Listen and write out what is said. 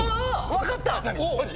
分かった！